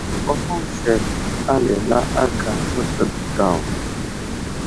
Fahoŋ sek alala aka mə́dəɗ daw.